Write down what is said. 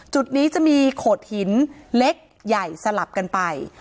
จุดนี้จะมีโขดหินเล็กใหญ่สลับกันไป